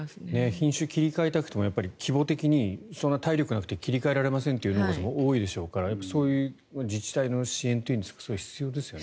品種を切り替えたくても規模的にそんな体力がなくて切り替えられませんという農家さんが多いでしょうからそういう自治体の支援というか必要ですよね。